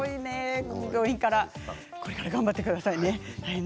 これから頑張ってくださいね。